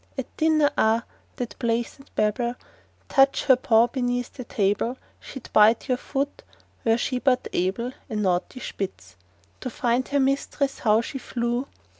At dinner—ah! that pleasant Babel! Touch her paw beneath the table, She'd bite your foot—were she but able— A naughty Spitz. To find her mistress how she flew!